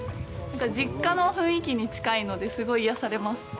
実家の雰囲気に近いので、すごい癒やされます。